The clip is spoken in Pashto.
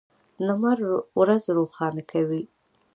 لمر ورځ روښانه کوي.